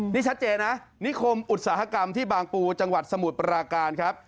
นี่ชัดเจนนะนิคมอุตสาหกรรมที่บางปูจังหวัดสมุทรปราการครับ